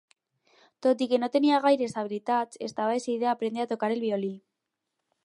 Tot i que no tenia gaires habilitats, estava decidida a aprendre a tocar el violí.